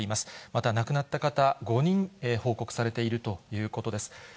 また亡くなった方、５人報告されているということです。